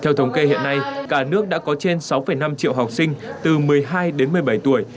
theo thống kê hiện nay cả nước đã có trên sáu năm triệu học sinh từ một mươi hai đến một mươi bảy tuổi